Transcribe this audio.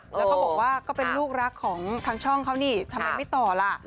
แล้วเขาบอกว่าก็เป็นลูกรักของทางช่องเขานี่ทำไมไม่ต่อล่ะ